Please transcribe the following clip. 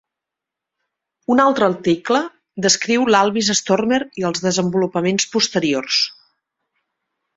Un altre article descriu l'Alvis Stormer i els desenvolupaments posteriors.